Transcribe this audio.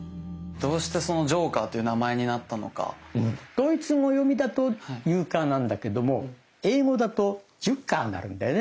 ドイツ語読みだと「ユーカー」なんだけども英語だと「ジュッカー」になるんだよね。